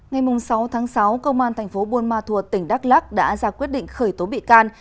ngày sáu tháng sáu công an thành phố buôn ma thuột tỉnh đắk lắc đã ra quyết định khởi tố bị can